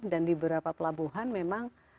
dan di beberapa pelabuhan memang